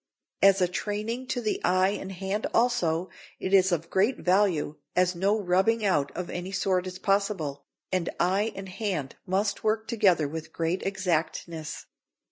As a training to the eye and hand also, it is of great value, as no rubbing out of any sort is possible, and eye and hand must work together with great exactness.